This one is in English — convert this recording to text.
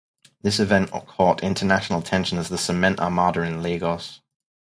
This event caught international attention as the cement armada in Lagos.